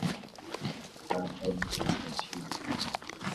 তারা চরম চিন্তায় ছিলেন।